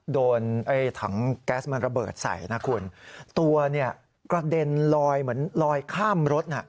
โดนไอ้ถังแก๊สมันระเบิดใส่นะคุณตัวเนี่ยกระเด็นลอยเหมือนลอยข้ามรถน่ะ